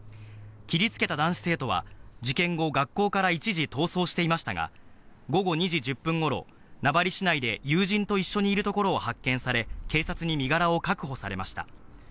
切りつけた男子生徒は事件後、学校から一時逃走していましたが、午後２時１０分ごろ、名張市内で友人と一緒にいるところを発見され、警察に身柄を確保されました。